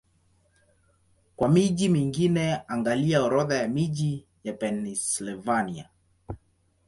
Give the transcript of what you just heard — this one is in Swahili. Kwa miji mingine, angalia Orodha ya miji ya Pennsylvania.